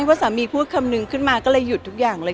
เพราะสามีพูดคำนึงขึ้นมาก็เลยหยุดทุกอย่างเลย